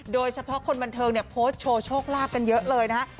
โดยเฉพาะคนบันเทิงเนี่ยโพสต์โชว์โชคลาภกันเยอะเลยนะฮะ